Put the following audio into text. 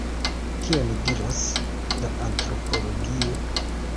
Kion diras la antropologio?